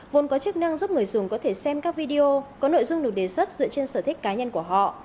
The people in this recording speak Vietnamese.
vốn có chức năng giúp người dùng có thể xem các video có nội dung được đề xuất dựa trên sở thích cá nhân của họ